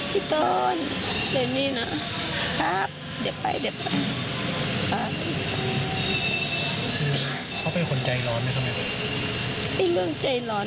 พี่โต้นเดี๋ยวไปบอกว่าเธอเป็นคนใจร้อน